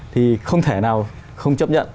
thì không thể nào không chấp nhận